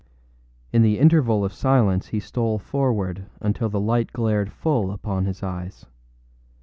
In the interval of silence he stole forward until the light glared full upon his eyes.